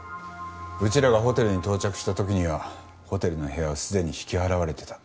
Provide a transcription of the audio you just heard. うちらがホテルに到着した時にはホテルの部屋はすでに引き払われてた。